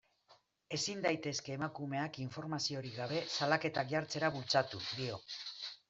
Ezin daitezke emakumeak informaziorik gabe salaketak jartzera bultzatu, dio.